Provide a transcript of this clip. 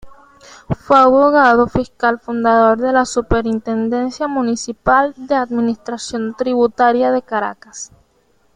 Fue abogado fiscal fundador de la Superintendencia Municipal de Administración Tributaria de Caracas.